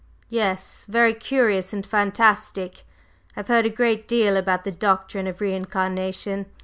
"Yes; very curious and fantastic. I've heard a great deal about the doctrine of re incarnation.